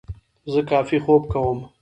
زه کافي خوب کوم.